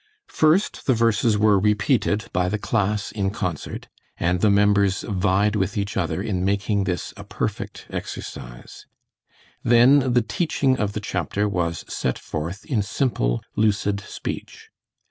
First the verses were repeated by the class in concert, and the members vied with each other in making this a perfect exercise, then the teaching of the chapter was set forth in simple, lucid speech.